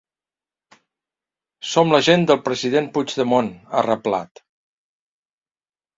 “Som la gent del president Puigdemont”, ha reblat.